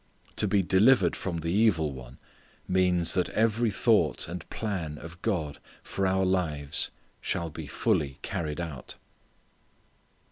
To be delivered from the evil one means that every thought and plan of God for our lives shall be fully carried out.